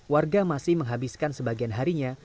warga masih menghabiskan sebagian harinya